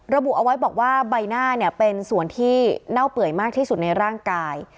ระบุเอาไว้บอกว่าใบหน้าเป็นส่วนที่เน่าเปื่อยมากที่สุดในร่างกาย